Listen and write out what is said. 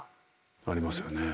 ありますよね。